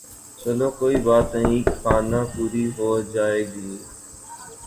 چلو کوئی بات نہیں خانہ پوری ھو جاے گی